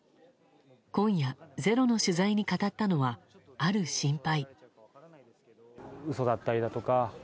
今夜、「ｚｅｒｏ」の取材に語ったのは、ある心配。